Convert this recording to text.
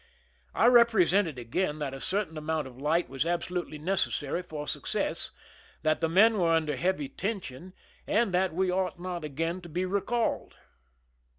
I represented again that a certain amount of liglit was absolutely necessary for success, that the men ^vere under heavy tension, and that we ought not ag£bin to be recalled.